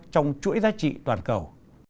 trong chuỗi giá trị toàn cầu